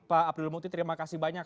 pak abdul muti terima kasih banyak